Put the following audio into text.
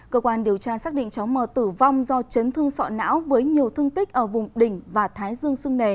cơ quan điều tra xác định cháu mờ tử vong do chấn thương sọ não với nhiều thương tích ở vùng đỉnh và thái dương sưng nề